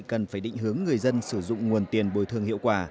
cần phải định hướng người dân sử dụng nguồn tiền bồi thương hiệu quả